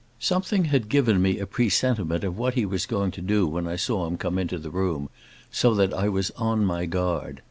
Something had given me a presentiment of what he was going to do when I saw him come into the room, so that I was on my guard.